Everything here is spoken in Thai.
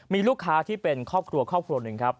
มีลูกค้าที่เป็นครอบครัวครอบครัวหนึ่งครับ